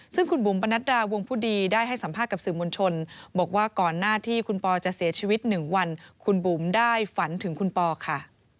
ซึ่งคุณบุ๋มปนัดดาวงผู้ดีได้ให้สัมภาษณ์กับสื่อมวลชนบอกว่าก่อนหน้าที่คุณปอจะเสียชีวิต๑วันคุณบุ๋มได้ฝันถึงคุณปอค่ะ